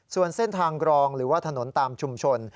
ส่วนเส้นทางกรองหรือว่าถนนตามชุมชน